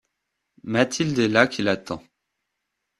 Mathilde est là qui l'attend.